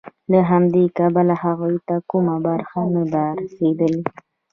له همدې کبله هغوی ته کومه برخه نه ده رسېدلې